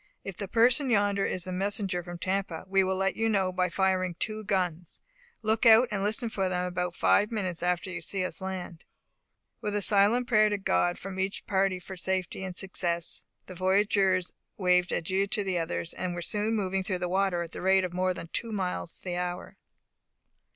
If the person yonder is a messenger from Tampa, we will let you know by firing two guns; look out, and listen for them about five minutes after you see us land." With a silent prayer to God from each party for safety and success, the voyagers waved adieu to the others, and were soon moving through the water at the rate of more than two miles the hour.